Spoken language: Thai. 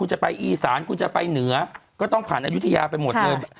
คุณจะไปอีสานคุณจะไปเหนือก็ต้องผ่านอายุทยาไปหมดเลย